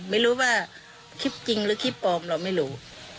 ไม่รู้ว่าคลิปจริงหรือคลิปปลอมเราไม่รู้